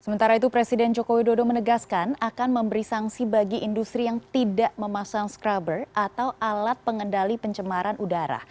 sementara itu presiden joko widodo menegaskan akan memberi sanksi bagi industri yang tidak memasang scrubber atau alat pengendali pencemaran udara